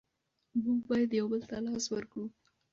موږ بايد يو بل ته لاس ورکړو.